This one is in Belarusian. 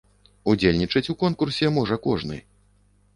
Удзельнічаць у конкурсе можа кожны.